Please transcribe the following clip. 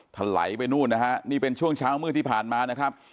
ถลายไปนู่นนะฮะนี่เป็นช่วงเช้ามืดที่ผ่านมานะครับ